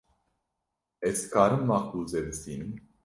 Ez dikarim makbûzê bistînim?